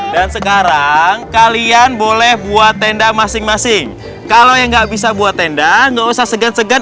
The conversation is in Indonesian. dan sekarang kalian boleh buat tenda masing masing kalau yang nggak bisa buat tenda nggak usah segan segan